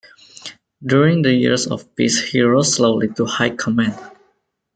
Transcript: During the years of peace he rose slowly to high command.